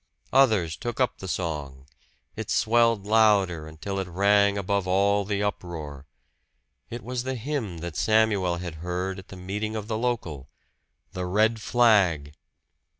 Others took up the song it swelled louder, until it rang above all the uproar. It was the hymn that Samuel had heard at the meeting of the local The Red Flag!